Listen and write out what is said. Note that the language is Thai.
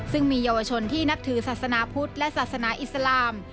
ซึ่งมีเยาวชนที่นับถือศาสนาพุทธและศาสนาอิสลาม